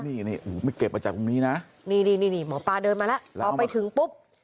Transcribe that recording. นี่ไม่เก็บมาจากตรงนี้นะนี่นี่หมอปลาเดินมาแล้วพอไปถึงปุ๊บ